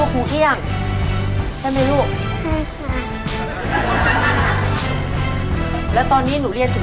กูยี่ยงไม่ได้สอนแล้วค่า